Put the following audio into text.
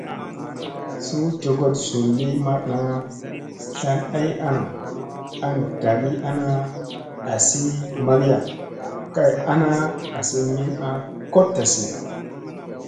Suu jogoɗ zulli maɗna tlan ay ana an ɗagi ana asi magiya kay ana asi min a koɗtasiya.